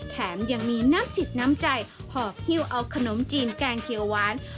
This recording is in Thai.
แถมยังมีน้ำจิตน้ำใจหอบหิ้วเอาขนมจีนแกงเขียวหวาน